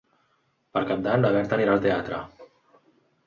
Per Cap d'Any na Berta irà al teatre.